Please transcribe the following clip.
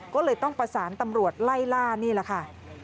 ก็เลยต้องประสานตำรวจไล่ล่านี่แหละค่ะ